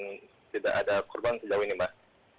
yang tidak ada korban sejauh ini mbak